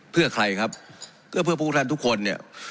เพื่อใครครับเพื่อพวกท่านทุกคนเนี่ย